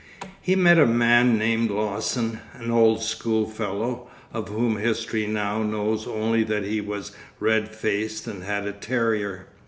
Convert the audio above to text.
He met a man named Lawson, an old school fellow, of whom history now knows only that he was red faced and had a terrier.